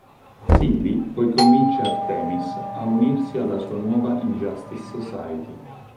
Cindy poi convince Artemis a unirsi alla sua nuova Injustice Society.